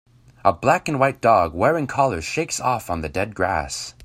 A black and white dog wearing collars shakes off on the dead grass.